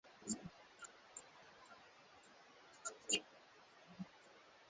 imepelekea hii yote kutokea Ruge angekuwa mzima wa afya basi tungecheza fiesta pale pale